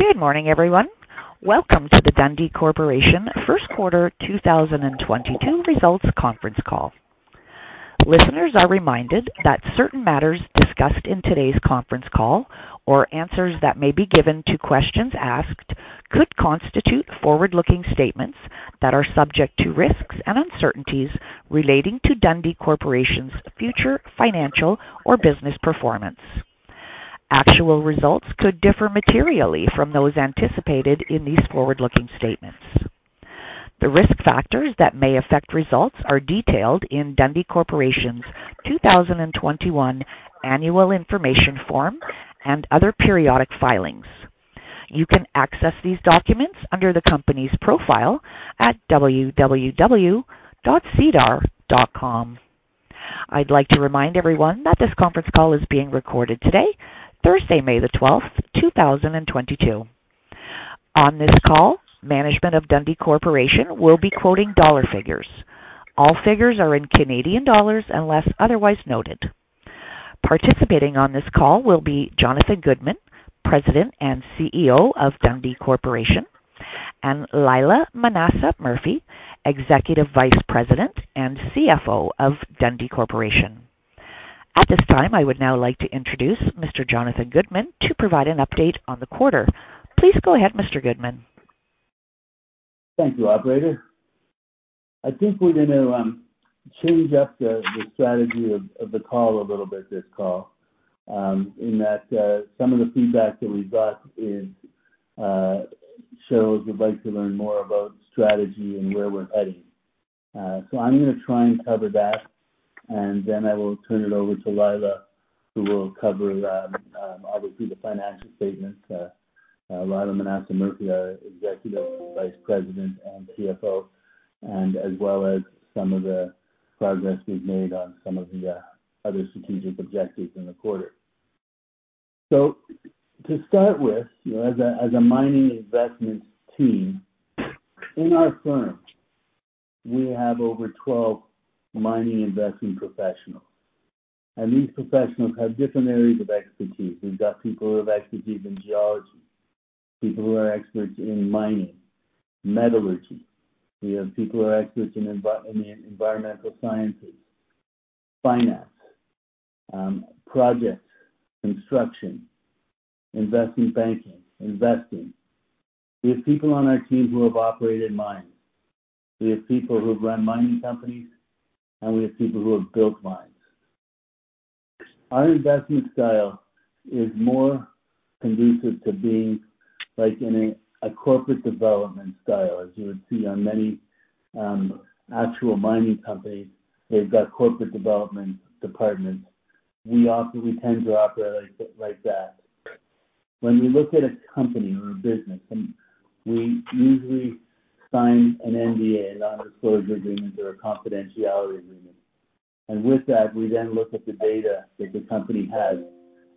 Good morning, everyone. Welcome to the Dundee Corporation First Quarter 2022 Results Conference Call. Listeners are reminded that certain matters discussed in today's conference call or answers that may be given to questions asked could constitute forward-looking statements that are subject to risks and uncertainties relating to Dundee Corporation's future financial or business performance. Actual results could differ materially from those anticipated in these forward-looking statements. The risk factors that may affect results are detailed in Dundee Corporation's 2021 annual information form and other periodic filings. You can access these documents under the company's profile at www.sedar.com. I'd like to remind everyone that this conference call is being recorded today, Thursday, May 12, 2022. On this call, management of Dundee Corporation will be quoting dollar figures. All figures are in Canadian dollars unless otherwise noted. Participating on this call will be Jonathan Goodman, President and CEO of Dundee Corporation, and Lila A. Murphy, Executive Vice President and CFO of Dundee Corporation. At this time, I would now like to introduce Mr. Jonathan Goodman to provide an update on the quarter. Please go ahead, Mr. Goodman. Thank you, operator. I think we're gonna change up the strategy of the call a little bit this call, in that some of the feedback that we got is shows you'd like to learn more about strategy and where we're heading. I'm gonna try and cover that, and then I will turn it over to Lila A. Murphy, who will cover the obviously the financial statements. Lila A. Murphy, our Executive Vice President and CFO, and as well as some of the progress we've made on some of the other strategic objectives in the quarter. To start with, you know, as a mining investment team, in our firm, we have over 12 mining investment professionals, and these professionals have different areas of expertise. We've got people who have expertise in geology, people who are experts in mining, metallurgy. We have people who are experts in environmental sciences, finance, projects, construction, investment banking, investing. We have people on our team who have operated mines. We have people who have run mining companies, and we have people who have built mines. Our investment style is more conducive to being like in a corporate development style. As you would see on many actual mining companies, they've got corporate development departments. We tend to operate like that. When we look at a company or a business, and we usually sign an NDA, a non-disclosure agreement or a confidentiality agreement. With that, we then look at the data that the company has.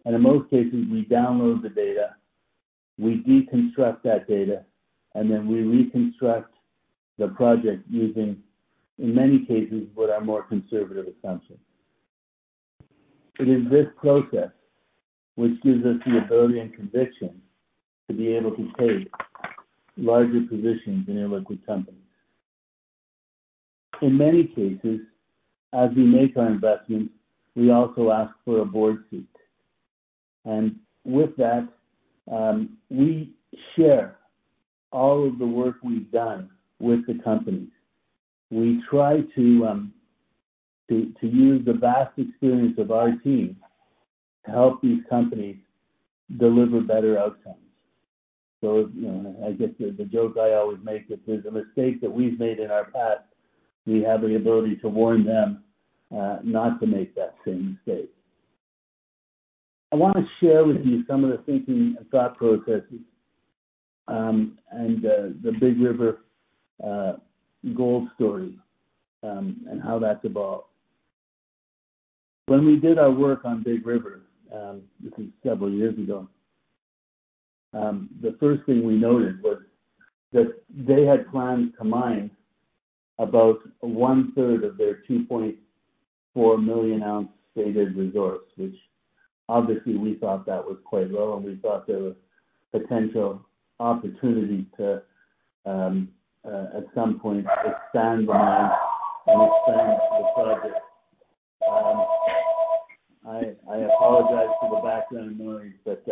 In most cases, we download the data, we deconstruct that data, and then we reconstruct the project using, in many cases, what are more conservative assumptions. It is this process which gives us the ability and conviction to be able to take larger positions in illiquid companies. In many cases, as we make our investments, we also ask for a board seat. With that, we share all of the work we've done with the companies. We try to use the vast experience of our team to help these companies deliver better outcomes. You know, I guess the joke I always make, if there's a mistake that we've made in our past, we have the ability to warn them not to make that same mistake. I wanna share with you some of the thinking and thought processes, the Big River gold story, and how that's evolved. When we did our work on Big River, this is several years ago, the first thing we noted was that they had planned to mine about one-third of their 2.4 million ounce stated resource, which obviously we thought that was quite low, and we thought there was potential opportunity to, at some point expand the mine and expand the project. I apologize for the background noise, but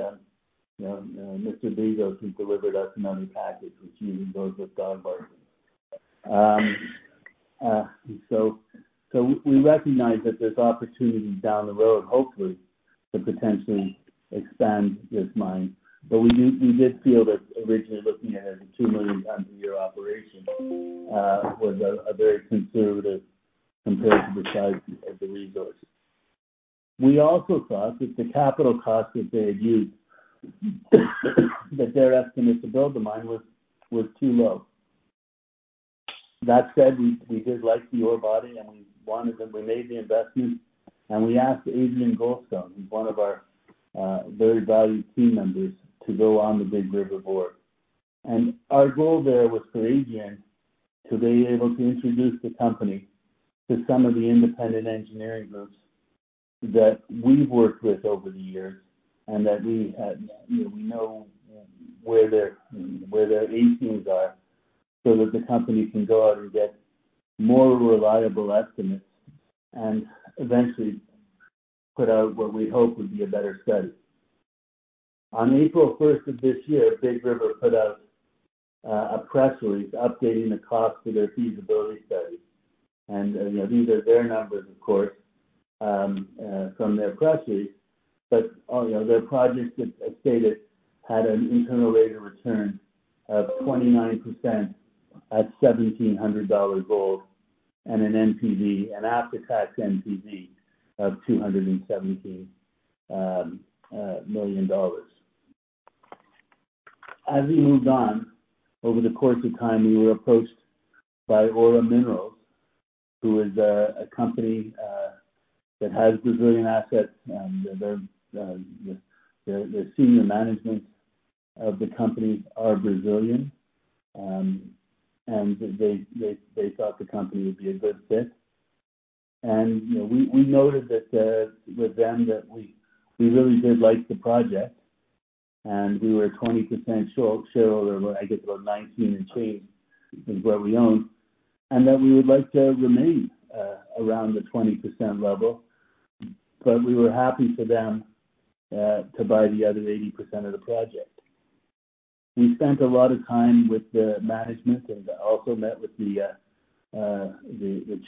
Mr. DeGoes, who delivered to us the money package, is with his dog barking. We recognize that there's opportunity down the road, hopefully, to potentially expand this mine. We did feel that originally looking at it as a 2 million pound a year operation was a very conservative compared to the size of the resource. We also thought that the capital cost that they had used, that they're estimating to build the mine was too low. That said, we did like the ore body, and we wanted them. We made the investment, and we asked Adrian Goldstone, who's one of our very valued team members, to go on the Big River board. Our goal there was for Adrian to be able to introduce the company to some of the independent engineering groups that we've worked with over the years and that we, you know, we know where their A-teams are, so that the company can go out and get more reliable estimates and eventually put out what we hope would be a better study. On April first of this year, Big River put out a press release updating the cost of their feasibility study. You know, these are their numbers, of course, from their press release. You know, their project, as stated, had an internal rate of return of 29% at $1,700 gold and an NPV, an after-tax NPV of $217 million. As we moved on, over the course of time, we were approached by Aura Minerals, who is a company that has Brazilian assets, and their senior management of the company are Brazilian. They thought the company would be a good fit. You know, we noted that with them that we really did like the project, and we were 20% shareholder, I guess about 19 and change is what we own, and that we would like to remain around the 20% level. We were happy for them to buy the other 80% of the project. We spent a lot of time with the management and also met with the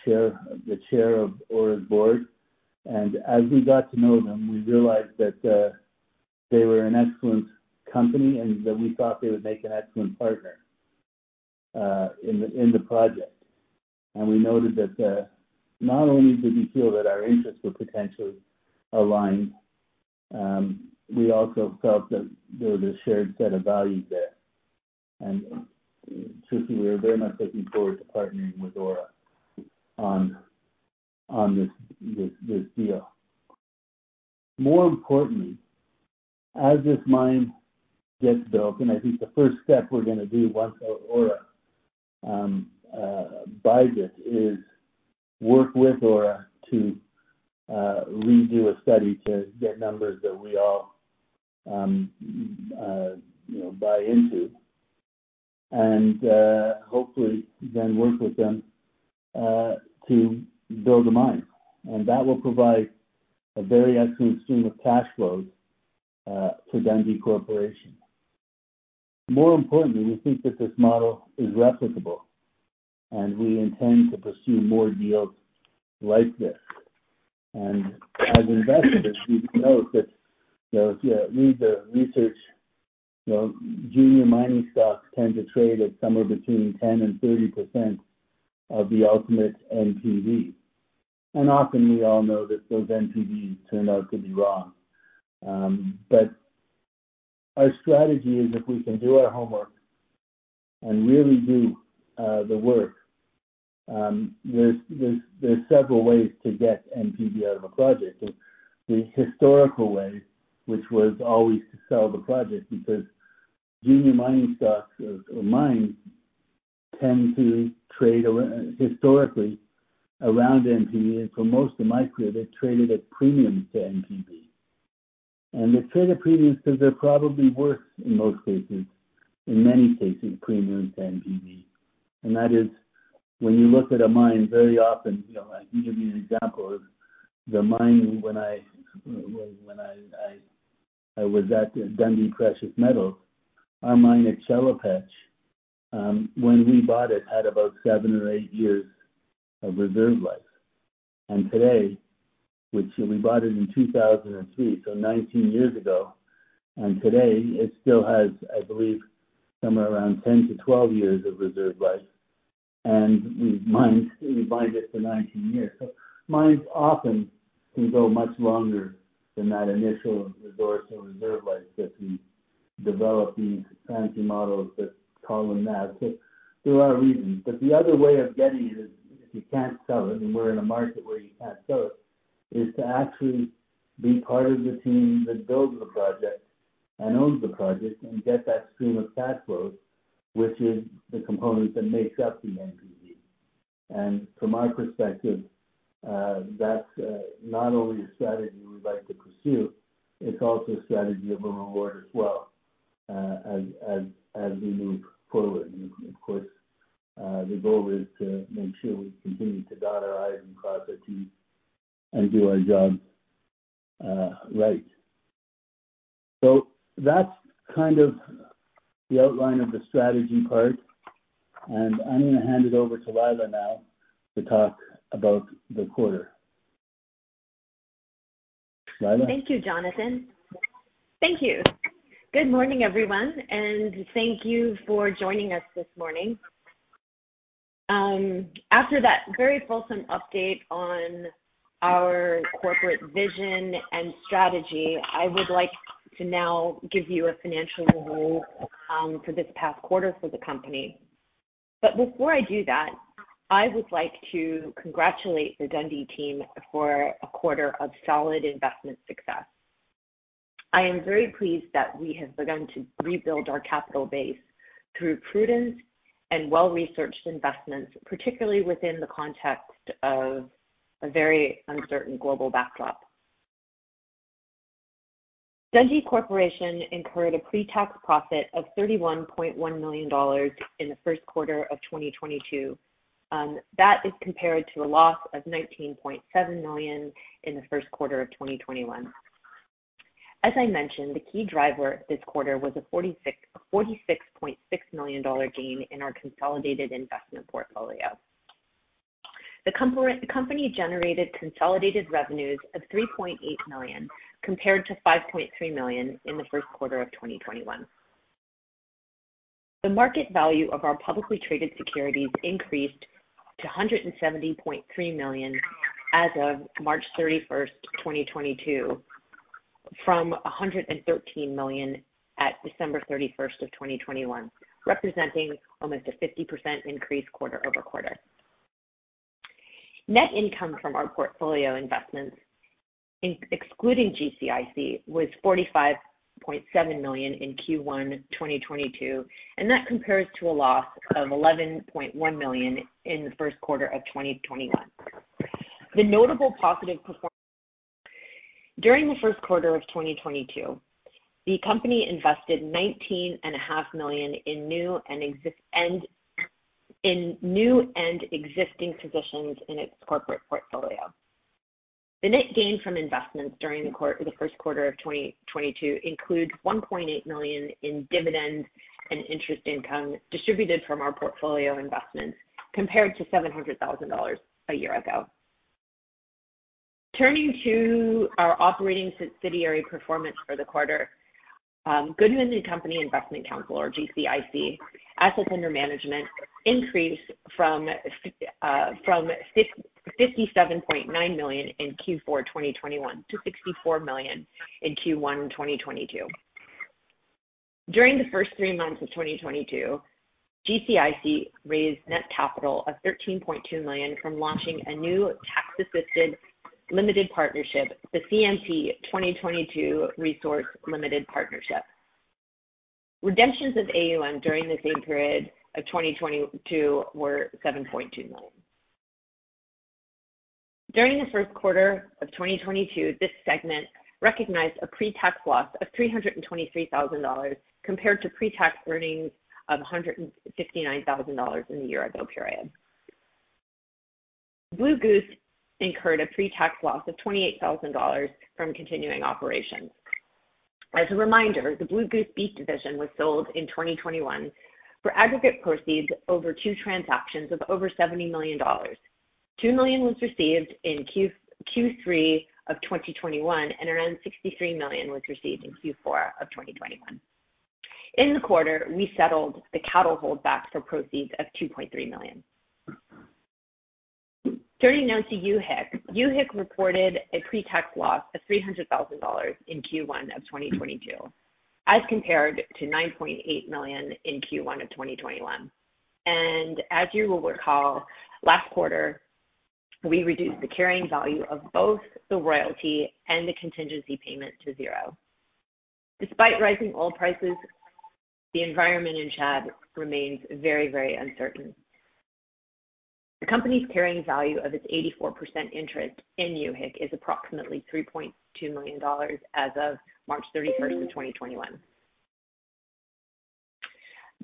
chair of Aura's board. As we got to know them, we realized that they were an excellent company and that we thought they would make an excellent partner in the project. We noted that not only did we feel that our interests were potentially aligned, we also felt that there was a shared set of values there. Truly, we were very much looking forward to partnering with Aura on this deal. More importantly, as this mine gets built, and I think the first step we're gonna do once Aura buys it, is work with Aura to redo a study to get numbers that we all you know buy into. Hopefully then work with them to build a mine. That will provide a very excellent stream of cash flows to Dundee Corporation. More importantly, we think that this model is replicable, and we intend to pursue more deals like this. As investors, we know that, you know, if you read the research, you know, junior mining stocks tend to trade at somewhere between 10%-30% of the ultimate NPV. Often we all know that those NPVs turn out to be wrong. Our strategy is if we can do our homework and really do the work, there's several ways to get NPV out of a project. The historical way, which was always to sell the project because junior mining stocks or mines tend to trade historically around NPV, and for most of my career, they traded at premiums to NPV. They traded premiums because they're probably worth, in most cases, in many cases, premiums to NPV. That is when you look at a mine, very often, you know, I'll give you an example of the mine when I was at Dundee Precious Metals. Our mine at Chelopech, when we bought it, had about seven or eight years of reserve life. Today, which we bought it in 2003, so 19 years ago, and today it still has, I believe, somewhere around 10-12 years of reserve life. Mines, we mined it for 19 years. Mines often can go much longer than that initial resource or reserve life that we develop these fancy models that call them that. There are reasons. The other way of getting it is if you can't sell it, and we're in a market where you can't sell it, is to actually be part of the team that builds the project and owns the project and get that stream of cash flows, which is the component that makes up the NPV. From our perspective, that's not only a strategy we like to pursue, it's also a strategy of a reward as well, as we move forward. Of course, the goal is to make sure we continue to dot our i's and cross our t's and do our job right. That's kind of the outline of the strategy part. I'm gonna hand it over to Lila now to talk about the quarter. Lila? Thank you, Jonathan. Thank you. Good morning, everyone, and thank you for joining us this morning. After that very fulsome update on our corporate vision and strategy, I would like to now give you a financial overview, for this past quarter for the company. Before I do that, I would like to congratulate the Dundee team for a quarter of solid investment success. I am very pleased that we have begun to rebuild our capital base through prudence and well-researched investments, particularly within the context of a very uncertain global backdrop. Dundee Corporation incurred a pre-tax profit of 31.1 million dollars in the first quarter of 2022, that is compared to a loss of 19.7 million in the first quarter of 2021. As I mentioned, the key driver this quarter was a 46.6 million dollar gain in our consolidated investment portfolio. The company generated consolidated revenues of 3.8 million, compared to 5.3 million in the first quarter of 2021. The market value of our publicly traded securities increased to 170.3 million as of March 31, 2022, from 113 million at December 31, 2021, representing almost a 50% increase quarter-over-quarter. Net income from our portfolio investments excluding GCIC was 45.7 million in Q1 2022, and that compares to a loss of 11.1 million in the first quarter of 2021. The notable positive performance. During the first quarter of 2022, the company invested 19.5 million in new and existing positions in its corporate portfolio. The net gain from investments during the first quarter of 2022 includes 1.8 million in dividends and interest income distributed from our portfolio investments, compared to 700 thousand dollars a year ago. Turning to our operating subsidiary performance for the quarter, Goodman & Company, Investment Counsel Inc, or GCIC, assets under management increased from 57.9 million in Q4 2021 to 64 million in Q1 2022. During the first three months of 2022, GCIC raised net capital of 13.2 million from launching a new tax-assisted limited partnership, the CMP 2022 Resource Limited Partnership. Redemptions of AUM during the same period of 2022 were 7.2 million. During the first quarter of 2022, this segment recognized a pre-tax loss of 323 thousand dollars compared to pre-tax earnings of 159 thousand dollars in the year ago period. Blue Goose incurred a pre-tax loss of 28 thousand dollars from continuing operations. As a reminder, the Blue Goose beef division was sold in 2021 for aggregate proceeds over two transactions of over 70 million dollars. 2 million was received in Q3 of 2021, and around 63 million was received in Q4 of 2021. In the quarter, we settled the cattle holdback for proceeds of 2.3 million. Turning now to UHIC. UHIC reported a pre-tax loss of 300 thousand dollars in Q1 of 2022, as compared to 9.8 million in Q1 of 2021. As you will recall, last quarter, we reduced the carrying value of both the royalty and the contingency payment to zero. Despite rising oil prices, the environment in Chad remains very, very uncertain. The company's carrying value of its 84% interest in UHIC is approximately 3.2 million dollars as of March 31st of 2021.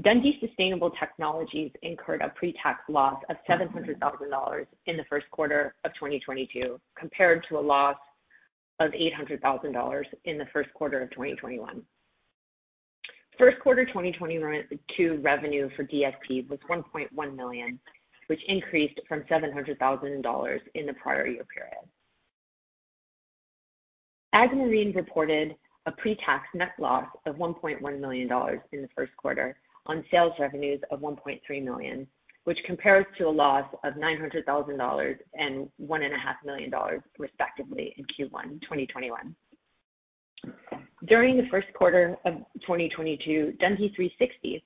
Dundee Sustainable Technologies incurred a pre-tax loss of 700 thousand dollars in the first quarter of 2022 compared to a loss of 800 thousand dollars in the first quarter of 2021. First quarter 2022 revenue for DST was 1.1 million, which increased from 700 thousand dollars in the prior year period. AgriMarine reported a pre-tax net loss of 1.1 million dollars in the first quarter on sales revenues of 1.3 million, which compares to a loss of 900 thousand dollars and 1.5 million dollars, respectively, in Q1 2021. During the first quarter of 2022, Dundee 360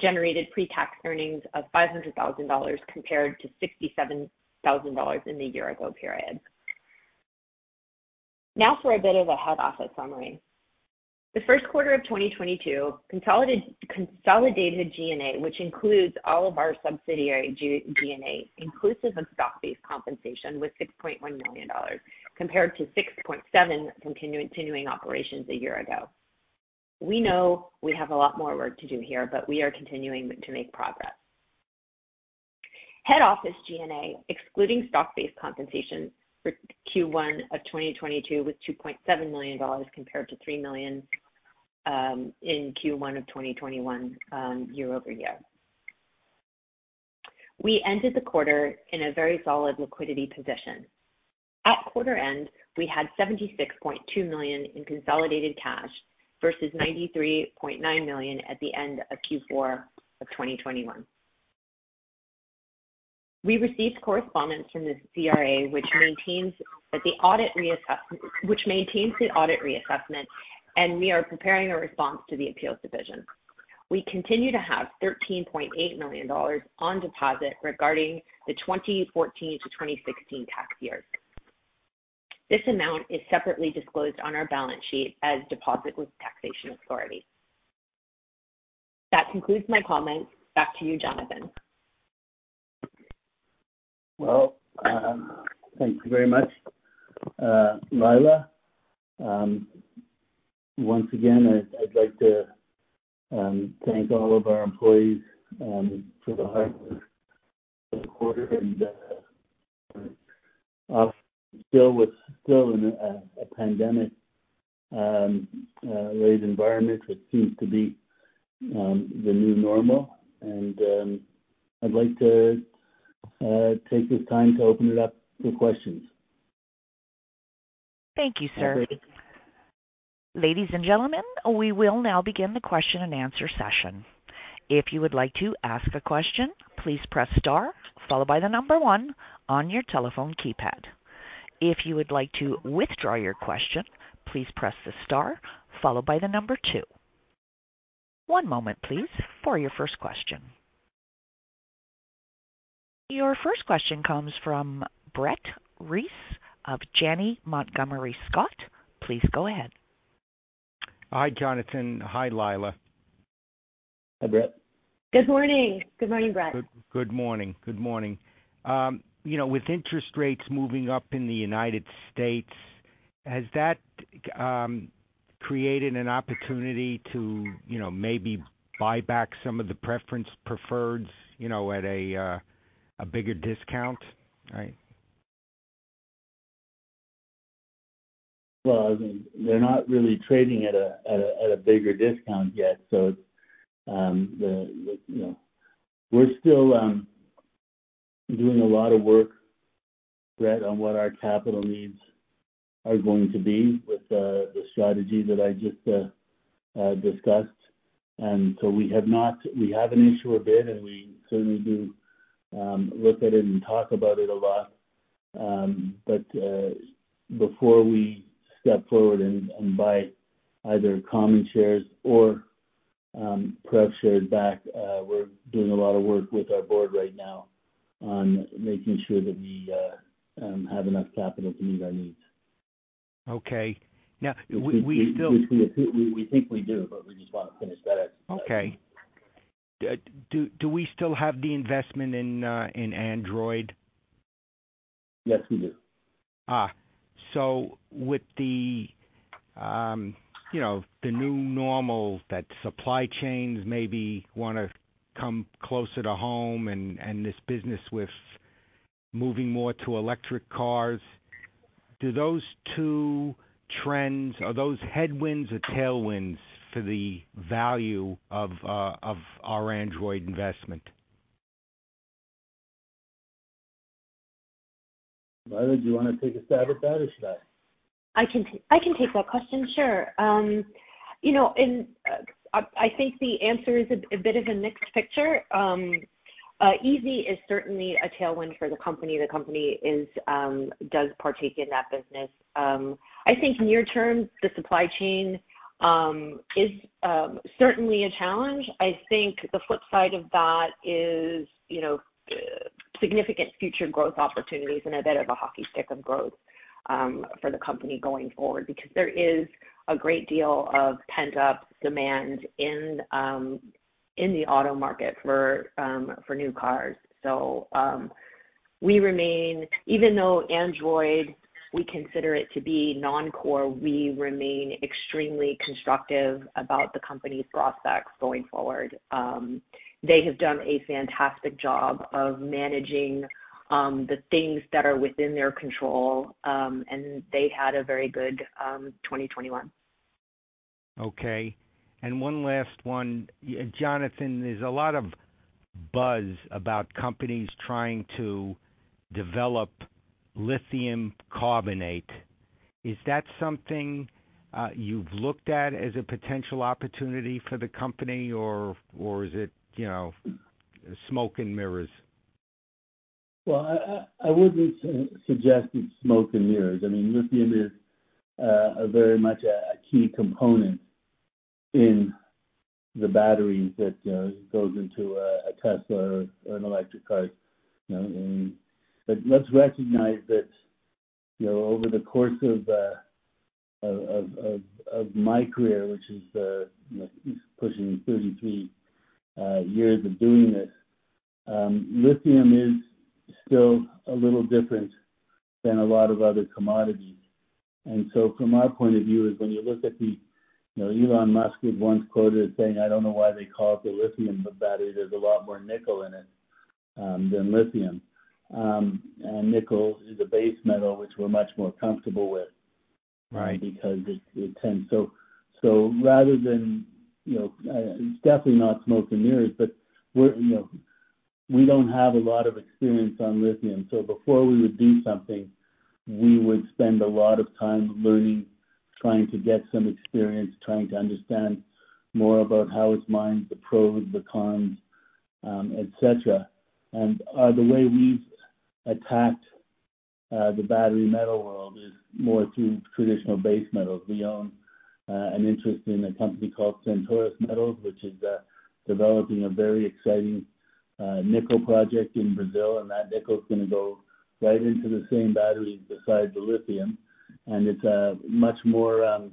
generated pre-tax earnings of 500 thousand dollars, compared to 67 thousand dollars in the year ago period. Now for a bit of a head office summary. The first quarter of 2022, consolidated G&A, which includes all of our subsidiary G&A, inclusive of stock-based compensation, was 6.1 million dollars, compared to 6.7 million continuing operations a year ago. We know we have a lot more work to do here, but we are continuing to make progress. Head Office G&A, excluding stock-based compensation for Q1 of 2022, was 2.7 million dollars compared to 3 million in Q1 of 2021, year-over-year. We ended the quarter in a very solid liquidity position. At quarter end, we had 76.2 million in consolidated cash versus 93.9 million at the end of Q4 of 2021. We received correspondence from the CRA, which maintains the audit reassessment, and we are preparing a response to the appeals division. We continue to have 13.8 million dollars on deposit regarding the 2014 to 2016 tax years. This amount is separately disclosed on our balance sheet as deposit with taxation authority. That concludes my comments. Back to you, Jonathan. Well, thank you very much, Lila. Once again, I'd like to thank all of our employees for the hard work for the quarter, and with us still in a pandemic rate environment, which seems to be the new normal. I'd like to take this time to open it up for questions. Thank you, sir. Ladies and gentlemen, we will now begin the question and answer session. If you would like to ask a question, please press star followed by the number one on your telephone keypad. If you would like to withdraw your question, please press the star followed by the number two. One moment please, for your first question. Your first question comes from Brett Reiss of Janney Montgomery Scott. Please go ahead. Hi, Jonathan. Hi, Lila. Hi, Brett. Good morning. Good morning, Brett. Good morning. You know, with interest rates moving up in the United States, has that created an opportunity to, you know, maybe buy back some of the preferreds, you know, at a bigger discount? Right. Well, I mean, they're not really trading at a bigger discount yet, so it's, you know, we're still doing a lot of work, Brett Reiss, on what our capital needs are going to be with the strategy that I just discussed. We have an issue a bit, and we certainly do look at it and talk about it a lot. Before we step forward and buy either common shares or pref shares back, we're doing a lot of work with our board right now on making sure that we have enough capital to meet our needs. Okay. Now we still- We think we do, but we just wanna finish that ex- Okay. Do we still have the investment in Android Industries? Yes, we do. With the new normal that supply chains maybe wanna come closer to home and this business with moving more to electric cars, are those headwinds or tailwinds for the value of our Android investment? Lila, do you wanna take a stab at that, or should I? I can take that question, sure. You know, I think the answer is a bit of a mixed picture. EV is certainly a tailwind for the company. The company does partake in that business. I think near term, the supply chain is certainly a challenge. I think the flip side of that is, you know, significant future growth opportunities and a bit of a hockey stick of growth for the company going forward, because there is a great deal of pent-up demand in the auto market for new cars. We remain even though Android, we consider it to be non-core, we remain extremely constructive about the company's prospects going forward. They have done a fantastic job of managing the things that are within their control, and they've had a very good 2021. Okay. One last one. Jonathan, there's a lot of buzz about companies trying to develop lithium carbonate. Is that something you've looked at as a potential opportunity for the company or is it, you know, smoke and mirrors? Well, I wouldn't suggest it's smoke and mirrors. I mean, lithium is a very much a key component in the batteries that goes into a Tesla or an electric car. You know, but let's recognize that, you know, over the course of my career, which is, you know, pushing 33 years of doing this, lithium is still a little different than a lot of other commodities. From our point of view, when you look at the. You know, Elon Musk was once quoted as saying, "I don't know why they call it the lithium battery. There's a lot more nickel in it than lithium." And nickel is a base metal, which we're much more comfortable with. Right. Because it tends. Rather than, you know, it's definitely not smoke and mirrors, but we're, you know, we don't have a lot of experience on lithium. Before we would do something, we would spend a lot of time learning. Trying to get some experience, trying to understand more about how it's mined, the pros, the cons, et cetera. The way we've attacked the battery metal world is more through traditional base metals. We own an interest in a company called Centaurus Metals, which is developing a very exciting nickel project in Brazil, and that nickel is gonna go right into the same batteries beside the lithium. It's much more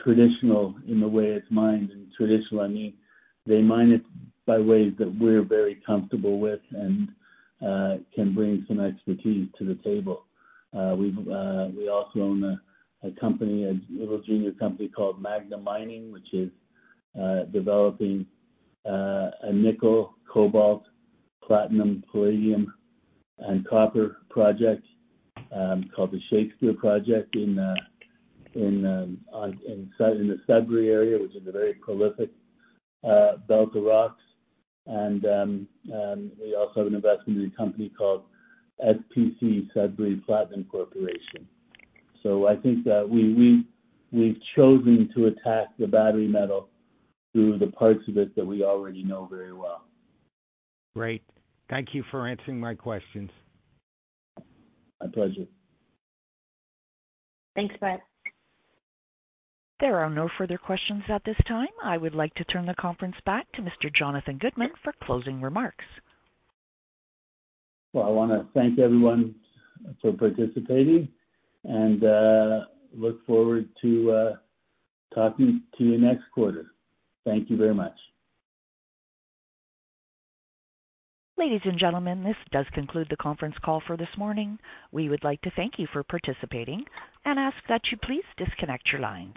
traditional in the way it's mined. Traditional, I mean, they mine it by ways that we're very comfortable with and can bring some expertise to the table. We also own a little junior company called Magna Mining, which is developing a nickel, cobalt, platinum, palladium and copper project called the Shakespeare Project in the Sudbury area, which is a very prolific belt of rocks. We also have an investment in a company called SPC, Sudbury Platinum Corporation. I think that we've chosen to attack the battery metal through the parts of it that we already know very well. Great. Thank you for answering my questions. My pleasure. Thanks, Bud. There are no further questions at this time. I would like to turn the conference back to Mr. Jonathan Goodman for closing remarks. Well, I wanna thank everyone for participating and look forward to talking to you next quarter. Thank you very much. Ladies and gentlemen, this does conclude the conference call for this morning. We would like to thank you for participating and ask that you please disconnect your lines.